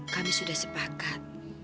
kami sudah sepakat